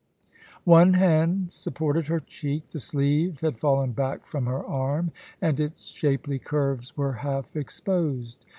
One hand supported her cheek ; the sleeve had fallen back from her arm, and its shapely curves were half exposed.